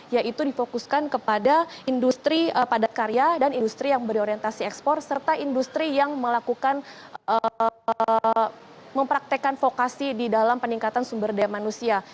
yaitu difokuskan kepada industri padat karya dan industri yang berorientasi ekspor serta industri yang melakukan mempraktekan vokasi di dalam peningkatan sumber daya manusia